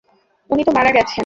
উনি তো মারা গেছেন।